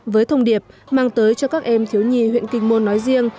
với thông điệp mang tới cho các em thiếu nhi huyện kinh môn nói riêng